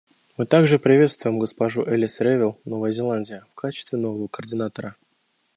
Мы также приветствуем госпожу Элис Ревел, Новая Зеландия, в качестве нового координатора.